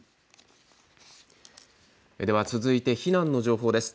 では続いて避難の情報です。